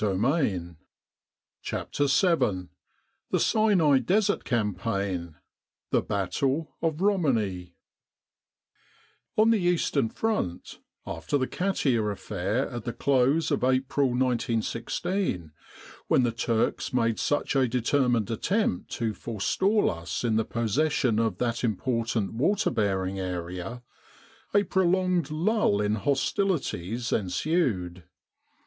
108 CHAPTER VII THE SINAI DESERT CAMPAIGN : THE BATTLE OF ROMANI ON the Eastern Front, after the Katia affair at the close of April, 1916, when the Turks made such a determined attempt to forestall us in the possession of that important water bearing area, a prolonged lull in hostilities ensued.